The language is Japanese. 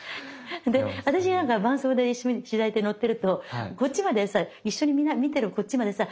私なんかが伴走で取材で乗ってるとこっちまでさ一緒に見てるこっちまでさ